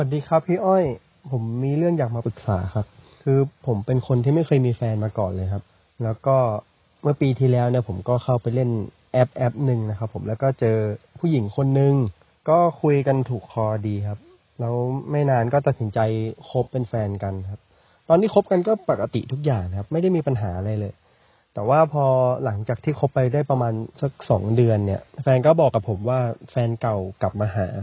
๒เดือนเนี่ยแฟนก้าวบอกกับผมว่าแฟนเก่ากลับมาหา